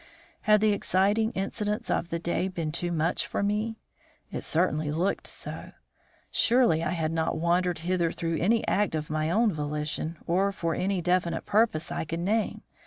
Had the exciting incidents of the day been too much for me? It certainly looked so. Surely I had not wandered hither through any act of my own volition or for any definite purpose I could name.